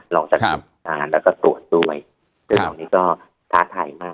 ลองจัดการแล้วก็ตรวจด้วยเรื่องของนี้ก็ท้าทัยมาก